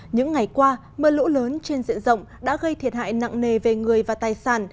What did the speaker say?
những ngày qua mưa lũ lớn trên diện rộng đã gây thiệt hại nặng nề về người và tài sản